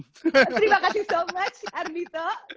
terima kasih so much ardhito